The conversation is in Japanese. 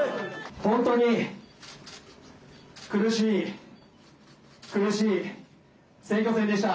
本当に、苦しい、苦しい、選挙戦でした。